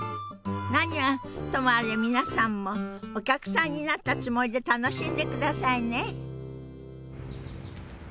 何はともあれ皆さんもお客さんになったつもりで楽しんでくださいね。